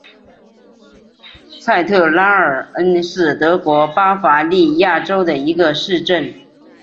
蔡特拉尔恩是德国巴伐利亚州的一个市镇。